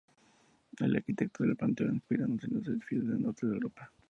El arquitecto lo planteó inspirándose en los edificios del Norte de Europa.